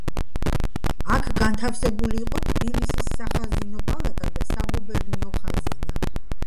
აქ განთავსებული იყო თბილისის სახაზინო პალატა და საგუბერნიო ხაზინა.